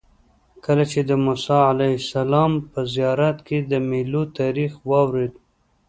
کله چې د موسی علیه السلام په زیارت کې د میلو تاریخ واورېد.